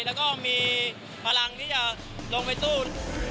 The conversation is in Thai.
แล้วก็มีพลังที่จะลงไปสู้